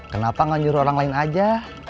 kenapa nggak nyuruh orang lain aja